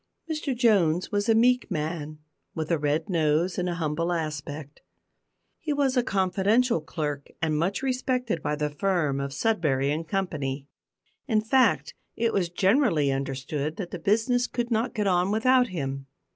Mr Jones was a meek man, with a red nose and a humble aspect. He was a confidential clerk, and much respected by the firm of Sudberry and Company. In fact, it was generally understood that the business could not get on without him.